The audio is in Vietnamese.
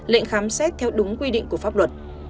lệnh khám xét theo đúng quy định của pháp luật